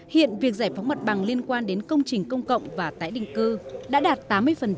hiện việc giải phóng mặt bằng liên quan đến công trình công cộng và tái định cư đã đạt tám mươi